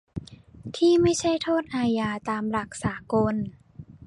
ที่ไม่ใช่โทษอาญาตามหลักสากล